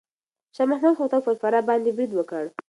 شاه محمود هوتک پر فراه باندې بريد وکړ.